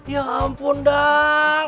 ya ampun dang